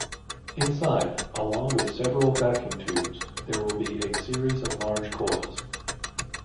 Inside, along with several vacuum tubes, there will be a series of large coils.